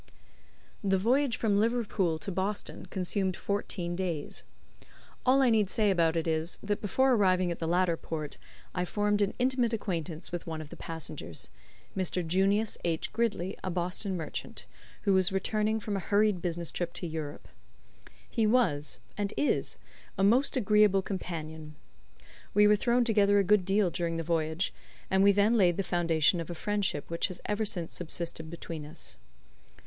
The voyage from Liverpool to Boston consumed fourteen days. All I need say about it is, that before arriving at the latter port I formed an intimate acquaintance with one of the passengers Mr. Junius H. Gridley, a Boston merchant, who was returning from a hurried business trip to Europe. He was and is a most agreeable companion. We were thrown together a good deal during the voyage, and we then laid the foundation of a friendship which has ever since subsisted between us.